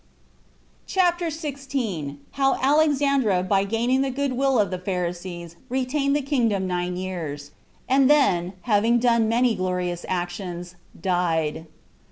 CHAPTER 16. How Alexandra By Gaining The Good Will Of The Pharisees, Retained The Kingdom Nine Years, And Then, Having Done Many Glorious Actions Died.